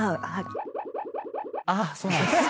あそうなんですか。